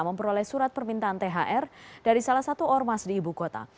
memperoleh surat permintaan thr dari salah satu ormas di ibu kota